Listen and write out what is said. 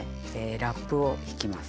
ラップをひきます。